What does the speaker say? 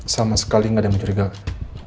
sama sekali nggak ada yang mencurigakan